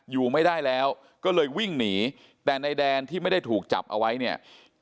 อยู่ไม่ได้แล้วก็เลยวิ่งหนีแต่ในแดนที่ไม่ได้ถูกจับเอาไว้เนี่ย